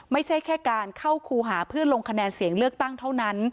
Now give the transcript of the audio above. ไม่ใช่แค่การเข้าครูหาเพื่อลงคะแนนเสียงเลือกตั้งเท่านั้น